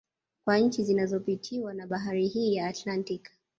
Kwa nchi zinazopitiwa na Bahari hii ya Atlantiki